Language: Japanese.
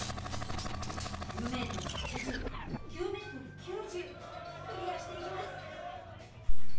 ９ｍ８０９ｍ９０クリアしていきます。